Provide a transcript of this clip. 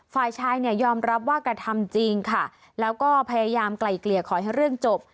ฝ่ายชายเนี่ยยอมรับว่ากระทำจริงค่ะแล้วก็พยายามไกลเกลี่ยขอให้เรื่องจบ